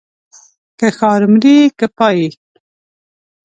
که ښار مرې که پايي.